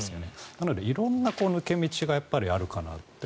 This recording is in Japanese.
なので、色んな抜け道があるかなと。